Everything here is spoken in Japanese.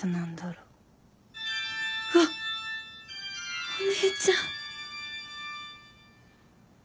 うわお姉ちゃん。